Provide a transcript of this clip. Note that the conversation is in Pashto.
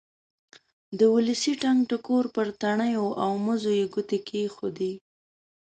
د ولسي ټنګ ټکور پر تڼیو او مزو یې ګوتې کېښودې.